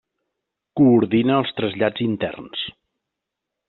Coordina els trasllats interns.